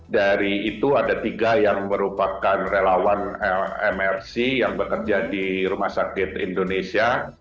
dari itu ada tiga yang merupakan relawan mrc yang bekerja di rumah sakit indonesia